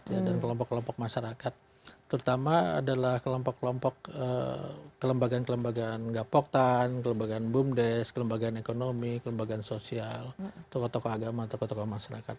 dan kelompok kelompok masyarakat terutama adalah kelompok kelompok kelembagaan kelembagaan gapoktan kelembagaan bumdes kelembagaan ekonomi kelembagaan sosial tokoh tokoh agama tokoh tokoh masyarakat